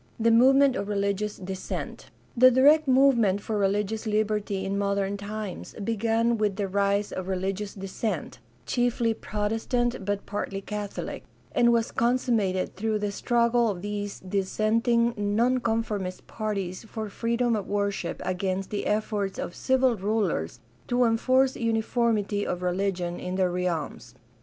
The movement of religious dissent. — The direct move ment for religious liberty in modern times began with the rise of religious dissent (chiefly Protestant but partly Catholic), and was consummated through the struggle of these dissenting nonconformist parties for freedom of worship against the efforts of civil rulers to enforce uniformity of religion in their realms.